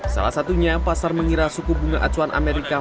salah satunya pasar mengira suku bunga acuan amerika